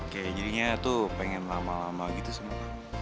kayak jadinya tuh pengen lama lama gitu sama kamu